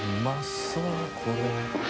そうこれ。